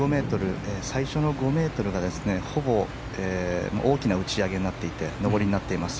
最初の５ｍがほぼ大きな打ち上げになっていて上りになっています。